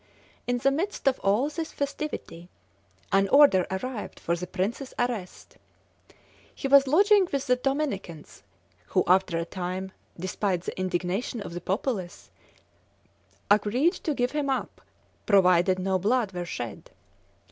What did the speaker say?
In the midst of all this festivity, an order arrived for the prince's arrest! He was lodging with the Dominicans, who, after a time, despite the indignation of the populace, agreed to give him up, provided no blood were shed.